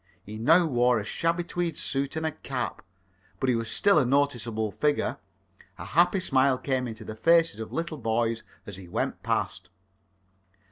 He now wore a shabby tweed suit and a cap. But he was still a noticeable figure; a happy smile came into the faces of little boys as he went past.